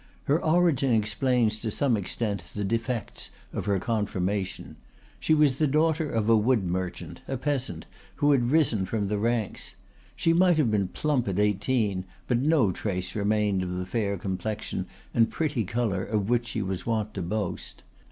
Her origin explains to some extent the defects of her conformation. She was the daughter of a wood merchant, a peasant, who had risen from the ranks. She might have been plump at eighteen, but no trace remained of the fair complexion and pretty color of which she was wont to boast.